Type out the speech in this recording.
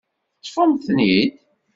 Teṭṭfemt-ten-id?